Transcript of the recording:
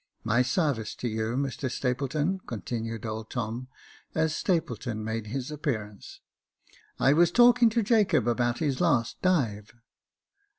My sarvice to you, Mr Stapleton," continued old Tom, as Stapleton made his appearance. " I was talking to Jacob about his last dive."